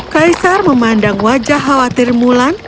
kaisar memandang wajah khawatir mulan